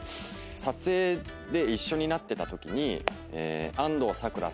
撮影で一緒になってたときに。